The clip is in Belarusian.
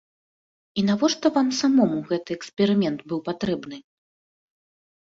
І навошта вам самому гэты эксперымент быў патрэбны?